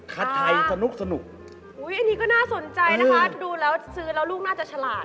ใครสนุกสนุกอันนี้ก็น่าสนใจนะคะดูแล้วซื้อแล้วลูกน่าจะฉลาด